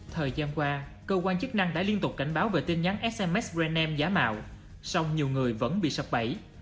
thời gian qua cơ quan chức năng đã liên tục cảnh báo về tin nhắn sms brand giả mạo song nhiều người vẫn bị sập bẫy